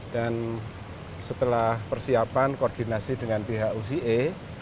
dan setelah persiapan koordinasi dengan pihak uca